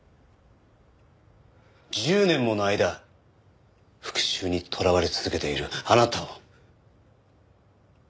１０年もの間復讐にとらわれ続けているあなたを。